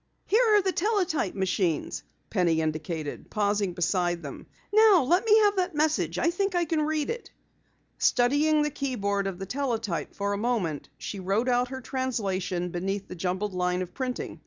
"Here are the teletype machines," Penny indicated, pausing beside them. "Now let me have that message. I think I can read it." Studying the keyboard of the teletype for a moment, she wrote out her translation beneath the jumbled line of printing.